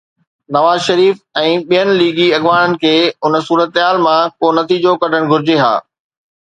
نواز شريف ۽ ٻين ليگي اڳواڻن کي ان صورتحال مان ڪو نتيجو ڪڍڻ گهرجي ها.